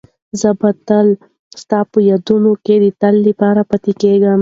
زه به تل ستا په یادونو کې د تل لپاره پاتې کېږم.